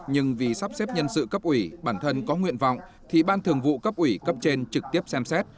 nhưng vì sắp xếp nhân sự cấp ủy bản thân có nguyện vọng thì ban thường vụ cấp ủy cấp trên trực tiếp xem xét